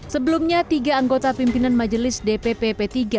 sebelumnya tiga anggota pimpinan majelis dpp p tiga